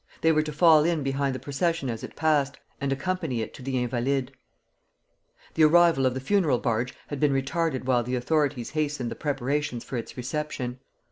They were to fall in behind the procession as it passed, and accompany it to the Invalides. The arrival of the funeral barge had been retarded while the authorities hastened the preparations for its reception.